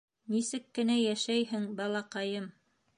— Нисек кенә йәшәйһең, балаҡайым?